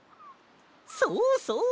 そうそう！